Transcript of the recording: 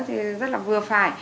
thì rất là vừa phải